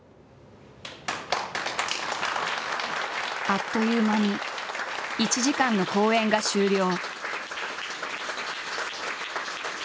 あっという間に１時間の公演が終了。